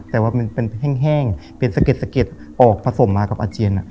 แต่ว่ามันเป็นแห้งเป็นสะเด็ดสะเก็ดออกผสมมากับอาเจียน